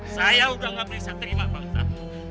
saya udah nggak bisa terima pak ustadz